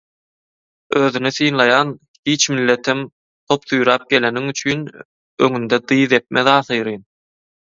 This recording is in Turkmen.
Özüni sylaýan hiç milletem top süýräp geleniň üçin öňüňde dyz epmez ahyryn.